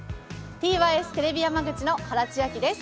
ｔｙｓテレビ山口の原千晶です。